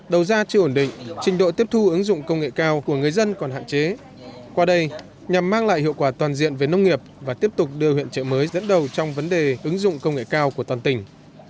đầu ra chưa ổn định trình độ tiếp thu ứng dụng công nghệ cao của người dân còn hạn chế qua đây nhằm mang lại hiệu quả toàn diện về nông nghiệp và tiếp tục đưa huyện trợ mới dẫn đầu trong vấn đề ứng dụng công nghệ cao của toàn tỉnh